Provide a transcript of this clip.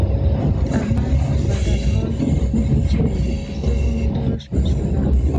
د احمد بدل حال مې چې ولید په سترګو مې توره شپه شوله.